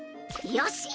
よし！